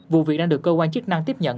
vụ việc đang được cơ quan chức năng tiếp nhận